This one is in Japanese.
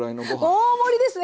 大盛りですね！